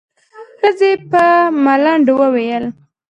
ښځې په ملنډو وويل.